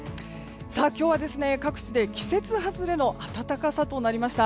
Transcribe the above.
今日は各地で季節外れの暖かさとなりました。